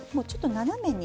斜めに。